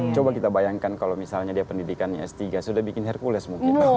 coba kita bayangkan kalau misalnya dia pendidikannya s tiga sudah bikin hercules mungkin